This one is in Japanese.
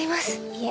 いえ。